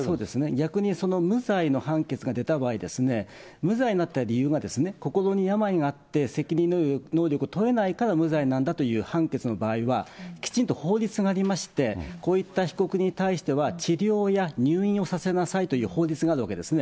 逆に無罪の判決が出た場合、無罪になった理由が心に病があって責任能力問えないから無罪なんだという判決の場合はきちんと法律がありまして、こういった被告に対しては治療や入院をさせなさいという法律があるわけですね。